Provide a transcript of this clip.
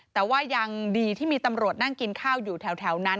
แต่ว่ายังดีที่มีตำรวจนั่งกินข้าวอยู่แถวนั้น